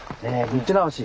道直し？